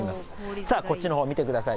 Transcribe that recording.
さあ、こっちのほう見てください。